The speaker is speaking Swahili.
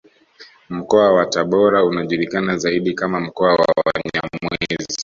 Mkoa wa Tabora unajulikana zaidi kama mkoa wa Wanyamwezi